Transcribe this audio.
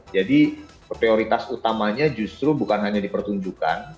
jadi prioritas utamanya justru bukan hanya dipertunjukkan